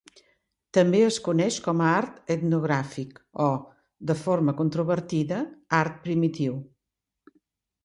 També es coneix com a art etnogràfic, o, de forma controvertida, art primitiu.